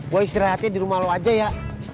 gue istirahatnya di rumah lo aja ya